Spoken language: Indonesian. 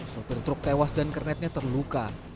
sopir truk tewas dan kernetnya terluka